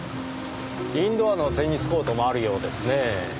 インドアのテニスコートもあるようですねぇ。